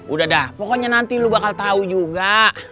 udah dah pokoknya nanti lo bakal tau juga